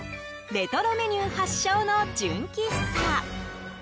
レトロメニュー発祥の純喫茶。